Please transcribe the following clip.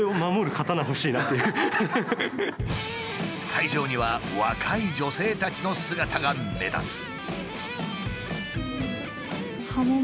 会場には若い女性たちの姿が目立つ。